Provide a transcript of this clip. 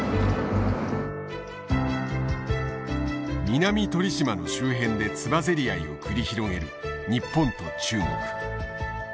南鳥島の周辺でつばぜり合いを繰り広げる日本と中国。